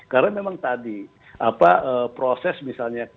karena memang tadi proses misalnya